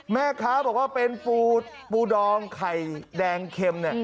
แม่ค้าบอกว่าเป็นปูดองไข่แดงเข็ม